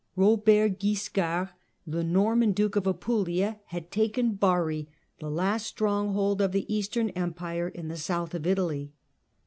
68), Kobert Guiscard, the Norman duke of Apulia, had taken Bari, the last stronghold of the Eastern Empire in the south of Italy.